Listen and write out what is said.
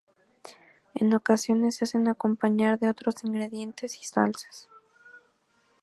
En ocasiones se hacen acompañar de otros ingredientes y salsas.